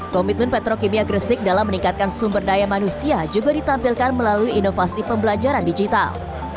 komitmen petrokimia gresik dalam meningkatkan sumber daya manusia juga ditampilkan melalui inovasi pembelajaran digital